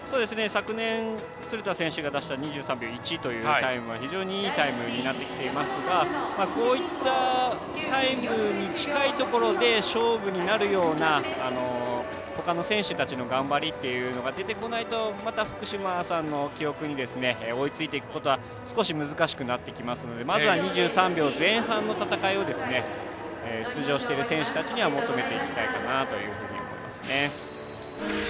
昨年、鶴田選手が出したタイム非常にいいタイムになってきていますがこういったタイムに近いところで勝負になるようなほかの選手たちの頑張りというのが出てこないとまた福島さんの記録に追いついていくことは少し難しくなってきますのでまず２３秒前半の戦いを出場している選手たちに求めていきたいかなというふうに思いますね。